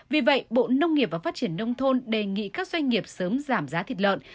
vì vậy bộ nông nghiệp và phát triển nông thôn đề nghị các doanh nghiệp sớm giảm giá thịt lợn